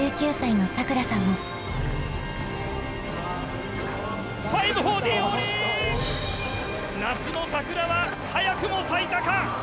夏の桜は早くも咲いたか！